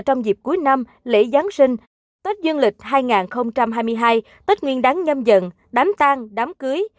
trong dịp cuối năm lễ giáng sinh tết dương lịch hai nghìn hai mươi hai tết nguyên đáng nhâm dận đám tang đám cưới